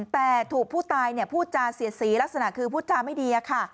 แต่ถูกผู้ตายพูดจาเสียดสีลักษณะคือพูดจาไม่ดีค่ะ